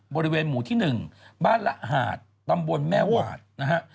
บริเวณหมู่ที่๑บ้านละหาดตำบลแม่หวาดนะฮะ